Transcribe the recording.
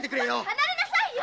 離れなさいよ。